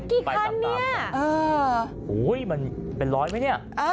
กี่คันเนี่ยเออโอ้ยมันเป็นร้อยไหมเนี่ยอ่า